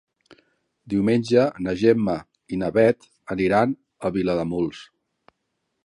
Diumenge na Gemma i na Bet aniran a Vilademuls.